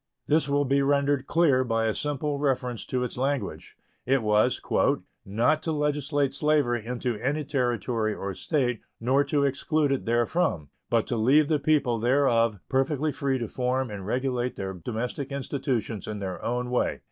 This will be rendered clear by a simple reference to its language. It was "not to legislate slavery into any Territory or State, nor to exclude it therefrom, but to leave the people thereof perfectly free to form and regulate their domestic institutions in their own way."